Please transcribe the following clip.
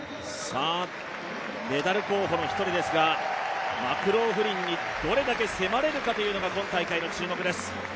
メダル候補の一人ですがマクローフリンにどれだけ迫れるかというのが今大会の注目です。